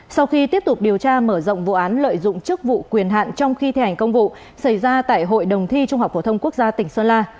sau khi tiếp tục điều tra mở rộng vụ án lợi dụng chức vụ quyền hạn trong khi thi hành công vụ xảy ra tại hội đồng thi trung học phổ thông quốc gia tỉnh sơn la